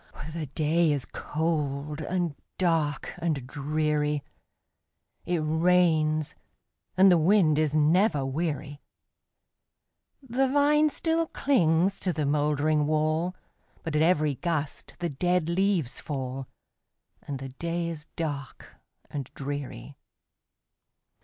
The day is cold, and dark, and dreary; It rains, and the wind is never weary; The vine still clings to the moldering wall, But at every gust the dead leaves fall, And the day is dark and dreary.